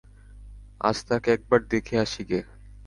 আজ তাকে একবার দেখে আসি গে।